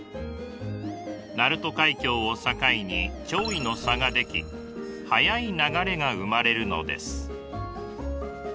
鳴門海峡を境に潮位の差が出来速い流れが生まれるのです。